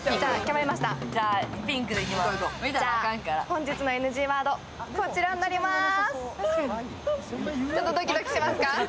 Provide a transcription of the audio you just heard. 本日のＮＧワード、こちらになります。